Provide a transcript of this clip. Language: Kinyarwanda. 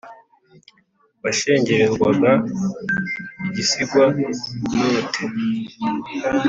Washengererwaga i Gisigwa-ntote*,